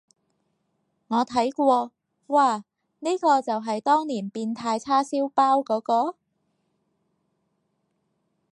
我睇過，嘩，呢個就係當年變態叉燒包嗰個？